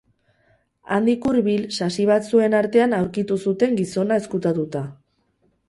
Handik hurbil, sasi batzuen artean aurkitu zuten gizona ezkutatuta.